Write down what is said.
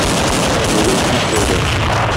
Бүген кич булды.